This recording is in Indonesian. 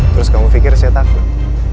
terus kamu pikir saya takut